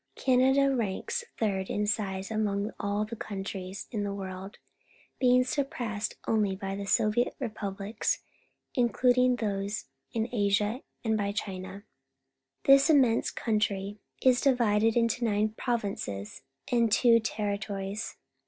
Canada ranks third in size among all the countries in the woi'ld, being surpassed only by the Soviet Republics, including those in Asia, and bj^ Cliina. This immense country is di^'ided into nine provinces and two territories.